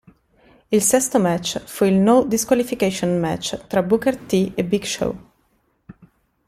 Il sesto match fu il No Disqualification match tra Booker T e Big Show.